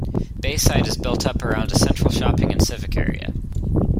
Bayside is built up around a central shopping and civic area.